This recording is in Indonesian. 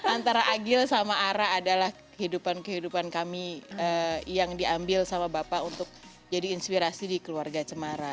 antara agil sama ara adalah kehidupan kehidupan kami yang diambil sama bapak untuk jadi inspirasi di keluarga cemara